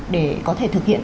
để có thể thực hiện